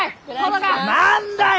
何だよ！